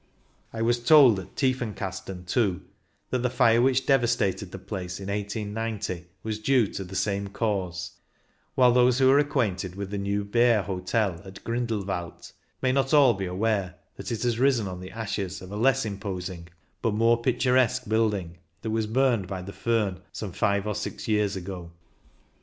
I was told at Tiefenkasten, too, that the fire which devastated the place in 1890 was due to the same cause; while those who are acquainted with the new Bar Hotel at Grindelwald may not all be aware that it has risen on the ashes of a less imposing, but more picturesque, build THE GRIMSEL 145 ing that was burned by ^^fShn some five or six years ago.